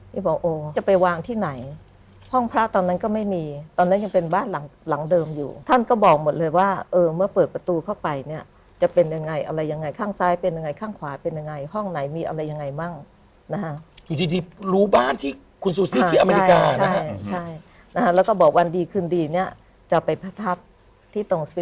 นี่บอกโอ้จะไปวางที่ไหนห้องพระตอนนั้นก็ไม่มีตอนนั้นยังเป็นบ้านหลังหลังเดิมอยู่ท่านก็บอกหมดเลยว่าเออเมื่อเปิดประตูเข้าไปเนี่ยจะเป็นยังไงอะไรยังไงข้างซ้ายเป็นยังไงข้างขวาเป็นยังไงห้องไหนมีอะไรยังไงบ้างนะฮะอยู่ดีรู้บ้านที่คุณซูซี่ที่อเมริกาใช่นะฮะแล้วก็บอกวันดีคืนดีเนี่ยจะไปประทับที่ตรง